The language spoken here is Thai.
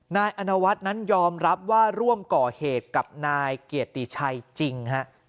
นายอนวัฒน์นั้นยอมรับว่าร่วมก่อเหตุกับนายเกียรติชัยจริงฮะ